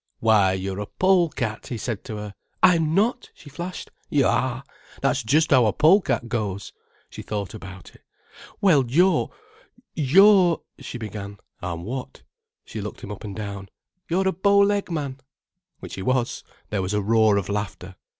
"Why, you're a pole cat," he said to her. "I'm not," she flashed. "You are. That's just how a pole cat goes." She thought about it. "Well, you're—you're——" she began. "I'm what?" She looked him up and down. "You're a bow leg man." Which he was. There was a roar of laughter.